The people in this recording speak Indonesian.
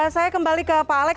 saya kembali ke pak alex